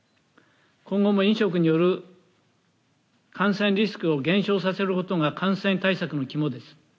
今後も飲食による感染リスクを減少させることが感染対策の肝です。